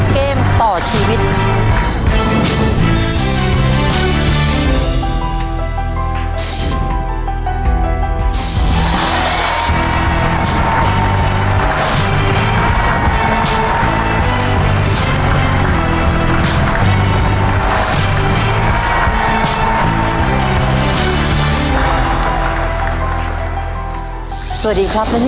เกมต่อชีวิต